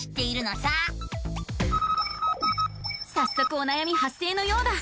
さっそくおなやみ発生のようだ。